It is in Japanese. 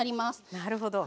なるほど。